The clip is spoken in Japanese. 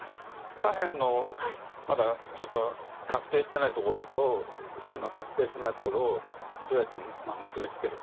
下辺のまだちょっと確定しないところと右辺の確定してないところをどうやって結び付けるか。